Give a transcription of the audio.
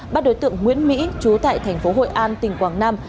bắt đối tượng nguyễn mỹ trú tại tp hội an tỉnh quảng nam